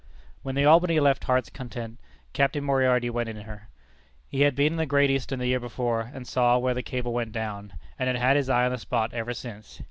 When the Albany left Heart's Content, Captain Moriarty went in her. He had been in the Great Eastern the year before, and saw where the cable went down, and had had his eye on the spot ever since.